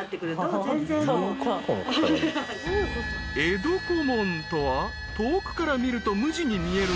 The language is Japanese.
［江戸小紋とは遠くから見ると無地に見えるが］